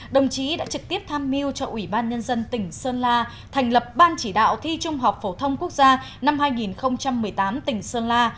đồng chí đã trực tiếp tham mưu cho ủy ban nhân dân tỉnh sơn la thành lập ban chỉ đạo thi trung học phổ thông quốc gia năm hai nghìn một mươi tám tỉnh sơn la